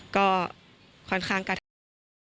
ก็ค่อนข้างกระทำ